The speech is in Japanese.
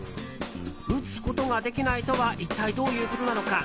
打つことができないとは一体どういうことなのか？